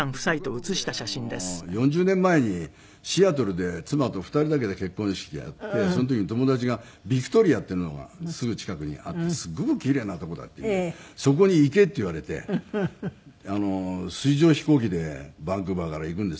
僕は僕で４０年前にシアトルで妻と２人だけで結婚式やってその時に友達がビクトリアっていうのがすぐ近くにあってすごくキレイなとこだっていうんでそこに行けって言われてあの水上飛行機でバンクーバーから行くんですけど。